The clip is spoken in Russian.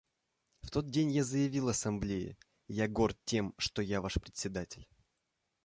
В тот день я заявил Ассамблее: «Я горд тем, что я ваш Председатель».